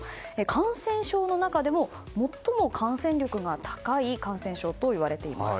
感染症の中でももっとも感染力が高い感染症といわれています。